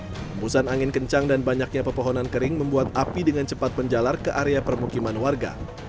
kehembusan angin kencang dan banyaknya pepohonan kering membuat api dengan cepat menjalar ke area permukiman warga